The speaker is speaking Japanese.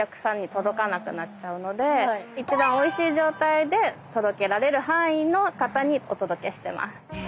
一番おいしい状態で届けられる範囲の方にお届けしてます。